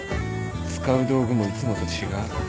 使う道具もいつもと違う。